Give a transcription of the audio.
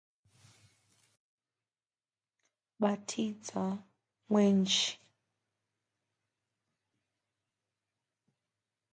The previous statement can be proven as follows: Let p be an s-t path.